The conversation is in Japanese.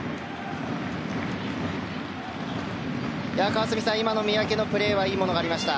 川澄さん、今の三宅のプレーはいいものがありました。